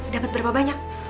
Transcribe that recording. dapat berapa banyak